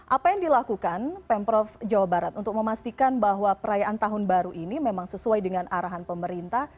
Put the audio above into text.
apa yang dilakukan pemprov jawa barat untuk memastikan bahwa perayaan tahun baru ini memang sesuai dengan arahan pemerintah